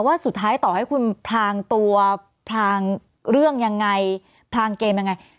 ว่าสุดท้ายต่อให้คุณพลางตัวพลางเรื่องยังไงพลางเกมยังไง